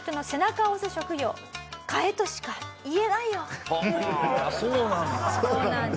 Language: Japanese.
はあそうなんだ。